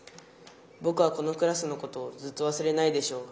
ぼくはこのクラスのことをずっとわすれないでしょう。